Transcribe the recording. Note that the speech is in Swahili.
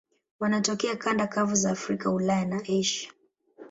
Wanatokea kanda kavu za Afrika, Ulaya na Asia.